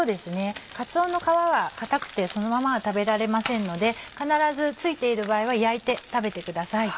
かつおの皮は硬くてそのままは食べられませんので必ず付いている場合は焼いて食べてください。